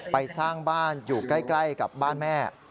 สร้างบ้านอยู่ใกล้กับบ้านแม่